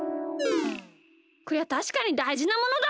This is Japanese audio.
こりゃたしかにだいじなものだ！